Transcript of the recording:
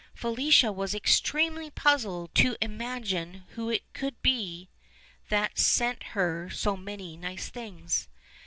Felicia was extremely puzzled to imagine who it could be that sent her so many nice things.